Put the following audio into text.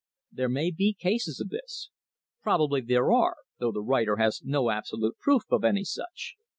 There may be cases of this. Probably there are, though the writer has no absolute proof of any such.